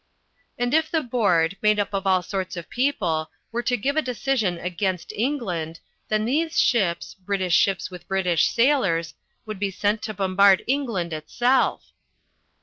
"And if the Board, made up of all sorts of people, were to give a decision against England, then these ships British ships with British sailors would be sent to bombard England itself."